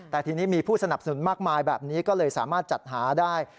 แต่ทีนี้มีผู้สนับสนุนมากมายแบบนี้ก็เลยสามารถจัดหาได้